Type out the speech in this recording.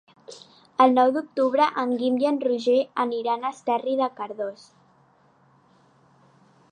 El nou d'octubre en Guim i en Roger aniran a Esterri de Cardós.